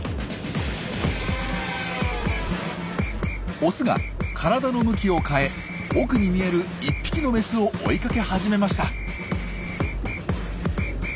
オスが体の向きを変え奥に見える１匹のメスを追いかけ始めました。